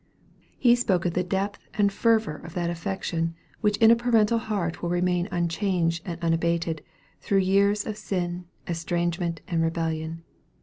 He spoke of the depth and fervor of that affection which in a parental heart will remain unchanged and unabated, through years of sin, estrangement, and rebellion.